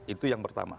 itu yang pertama